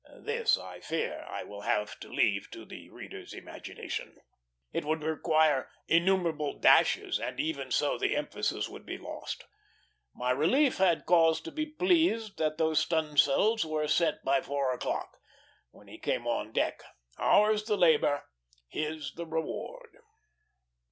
This, I fear, I will have to leave to the reader's imagination. It would require innumerable dashes, and even so the emphasis would be lost. My relief had cause to be pleased that those stun'sails were set by four o'clock, when he came on deck. Ours the labor, his the reward.